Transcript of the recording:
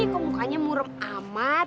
kok mukanya murem amat